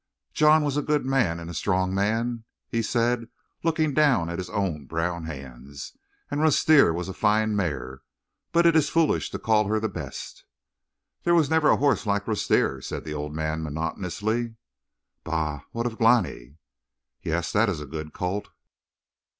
"John was a good man and a strong man," he said, looking down at his own brown hands. "And Rustir was a fine mare, but it is foolish to call her the best." "There was never a horse like Rustir," said the old man monotonously. "Bah! What of Glani?" "Yes, that is a good colt."